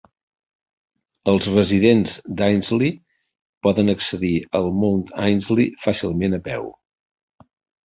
Els residents d'Ainslie poden accedir al Mount Ainslie fàcilment a peu.